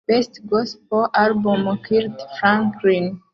Best Gospel Album Kirk Franklin